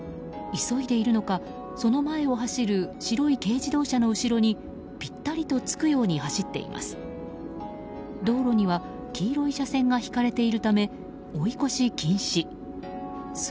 急いでいるのかその前を走る白い軽自動車の後ろにぴったりとつくように走っています。